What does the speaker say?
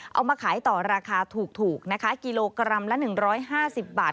เอามาขายต่อราคาถูกนะคะกิโลกรัมละ๑๕๐บาท